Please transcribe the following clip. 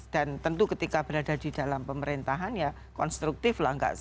dan tentu ketika berada di dalam pemerintahan ya konstruktif lah